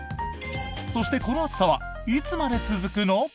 そして、この暑さはいつまで続くの？